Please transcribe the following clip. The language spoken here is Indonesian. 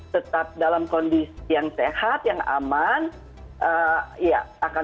tetap dalam kondisi yang sehat yang aman